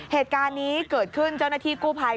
เหตุการณ์นี้เกิดขึ้นเจ้าหน้าที่กู้ภัย